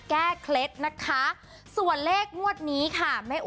กิจเจ้าใจ